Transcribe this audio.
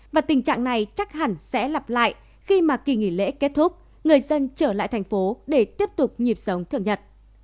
và tình trạng này chắc hẳn sẽ lặp lại khi mà kỳ nghỉ lễ kết thúc người dân trở lại thành phố để tiếp tục nhịp sống thường nhật